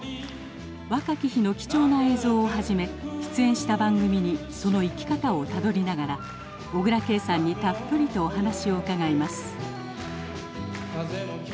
若き日の貴重な映像をはじめ出演した番組にその生き方をたどりながら小椋佳さんにたっぷりとお話を伺います